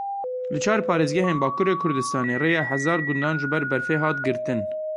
Li çar parêzgehên Bakurê Kurdistanê rêya hezar gundan ji ber berfê hat girtin.